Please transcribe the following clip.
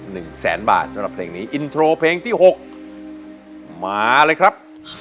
หนึ่งแสนบาทสำหรับเพลงนี้อินโทรเพลงที่หกมาเลยครับ